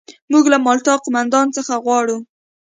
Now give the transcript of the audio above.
موږ له مالټا قوماندان څخه غواړو.